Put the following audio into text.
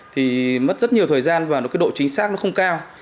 thì mất rất nhiều thời gian và cái độ chính xác nó không cao